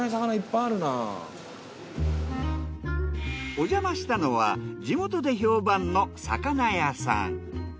おじゃましたのは地元で評判の魚屋さん。